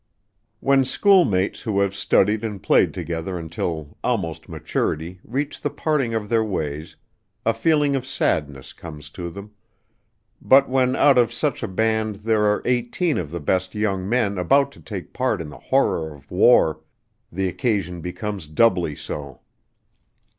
When schoolmates who have studied and played together until almost maturity reach the parting of their ways a feeling of sadness comes to them; but when out of such a band there are eighteen of the best young men about to take part in the horror of war, the occasion becomes doubly so.